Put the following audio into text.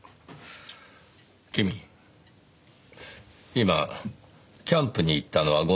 君今キャンプに行ったのは５年前だと？